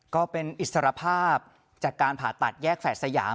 ก็เป็นอิสรภาพจากการผ่าตัดแยกแฝดสยาม